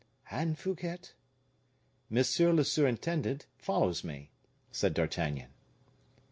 "And Fouquet?" "Monsieur le surintendant follows me," said D'Artagnan.